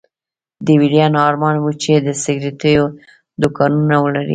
د ويلين ارمان و چې د سګرېټو دوکانونه ولري.